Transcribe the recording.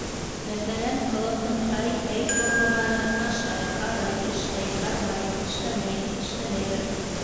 Мәҫәлән, ҡылымдың -ай, -әй формалары: ашай, ҡарай, эшләй, бармайым, эшләмәйем, эшләмәйбеҙ.